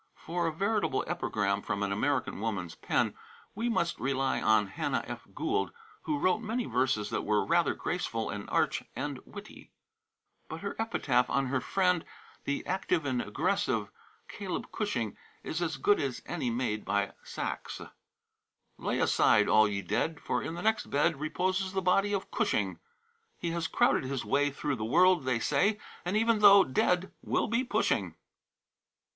For a veritable epigram from an American woman's pen we must rely on Hannah F. Gould, who wrote many verses that were rather graceful and arch than witty. But her epitaph on her friend, the active and aggressive Caleb Cushing, is as good as any made by Saxe. "Lay aside, all ye dead, For in the next bed Reposes the body of Cushing; He has crowded his way Through the world, they say, And even though dead will be pushing."